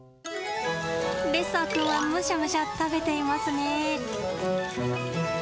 レッサー君はむしゃむしゃ食べていますね。